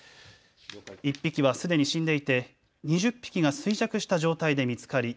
１匹はすでに死んでいて２０匹が衰弱した状態で見つかり